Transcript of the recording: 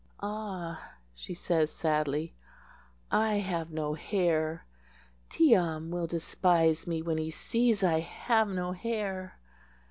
"Ah!" she says sadly, "I have no hair. Tee am will despise me when he sees I have no hair."